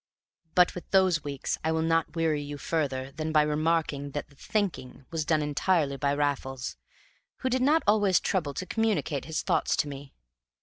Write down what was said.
But with those weeks I will not weary you further than by remarking that the "thinking," was done entirely by Raffles, who did not always trouble to communicate his thoughts to me.